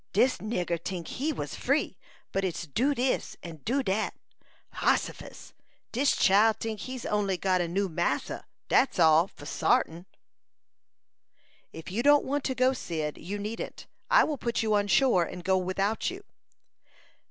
"Dis nigger tink he was free, but it's Do dis, and Do dat. Hossifus; dis chile tink he's only got a new massa dat's all, for sartin." "If you don't want to go, Cyd, you needn't. I will put you on shore, and go without you."